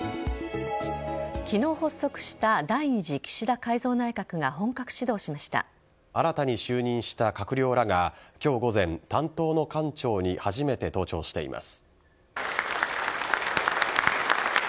昨日発足した第２次岸田改造内閣が新たに就任した閣僚らが今日午前、担当の官庁に初めて登庁しています。